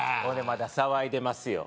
まだ騒いでますよ